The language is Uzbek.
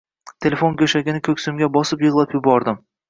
Telefon go`shagini ko`ksimga bosib yig`lab yubordim